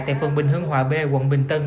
tại phần bình hương hòa b quận bình tân